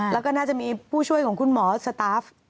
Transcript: แล้วก็น่าจะมีผู้ช่วยของคุณหมอสตาฟ